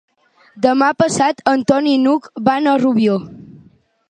Demà passat en Ton i n'Hug van a Rubió.